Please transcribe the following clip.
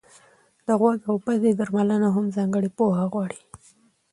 د غوږ او پزې درملنه هم ځانګړې پوهه غواړي.